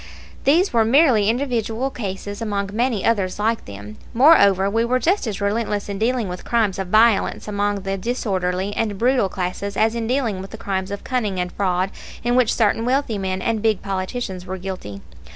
These were merely individual cases among many others like them. Moreover, we were just as relentless in dealing with crimes of violence among the disorderly and brutal classes as in dealing with the crimes of cunning and fraud of which certain wealthy men and big politicians were guilty.